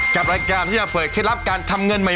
กับรายการที่จะเปิดเคล็ดลับการทำเงินใหม่